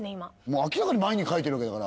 明らかに前に描いてるわけだから。